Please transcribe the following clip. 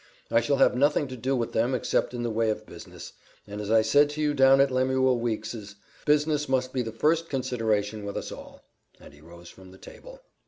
I shall have nothing to do with them except in the way of business, and as I said to you down at Lemuel Weeks's, business must be the first consideration with us all," and he rose from the table.